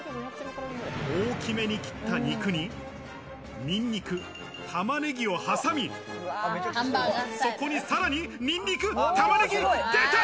大きめに切った肉にニンニク、玉ねぎをはさみ、そこにさらにニンニク、玉ねぎ、出た！